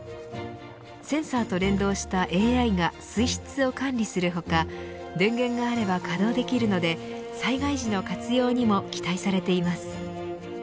センサーと連動したＡＩが水質を管理する他電源があれば稼働できるので災害時の活用にも期待されています。